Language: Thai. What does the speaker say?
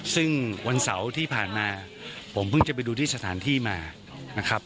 ซึ่งวันเสาร์ที่ผ่านมาผมเพิ่งจะไปดูที่สถานที่มานะครับ